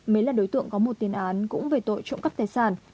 mỹ là đối tượng có một tiền án cũng về tội trộm cắp tài sản